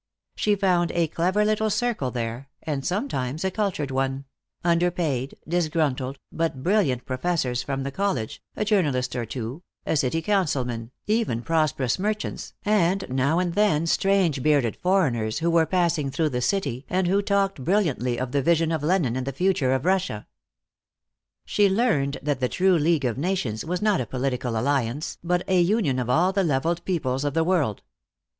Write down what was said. She found a clever little circle there, and sometimes a cultured one; underpaid, disgruntled, but brilliant professors from the college, a journalist or two, a city councilman, even prosperous merchants, and now and then strange bearded foreigners who were passing through the city and who talked brilliantly of the vision of Lenine and the future of Russia. She learned that the true League of Nations was not a political alliance, but a union of all the leveled peoples of the world.